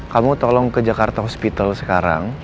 kamu tolong ke jakarta hospital sekarang